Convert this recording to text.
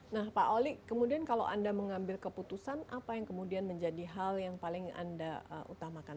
nah pak oli kemudian kalau anda mengambil keputusan apa yang kemudian menjadi hal yang paling anda utamakan